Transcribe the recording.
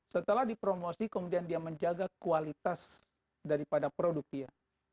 setelah dipromosi kemudian dia menjaga kualitas daripada produk dia